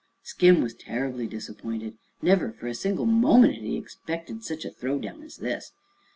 Skim was terribly disappointed. Never, for a single moment, had he expected "sech a throwdown as this."